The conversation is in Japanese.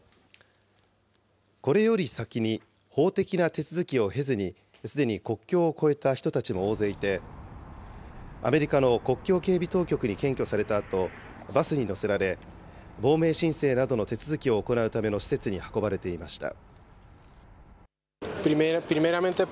これより先に法的な手続きを経ずに、すでに国境を越えた人たちも大勢いて、アメリカの国境警備当局に検挙されたあと、バスに乗せられ、亡命申請などの手続きを行うための施設に運ばれていました。